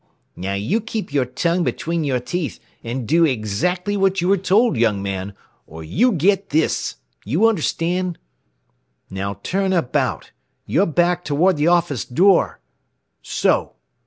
"Now you keep your tongue between your teeth, and do exactly what you are told, young man, or you get this! You understand? "Now turn about your back toward the office door so."